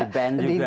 di ban juga